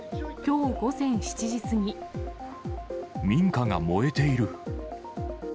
民家が燃えている。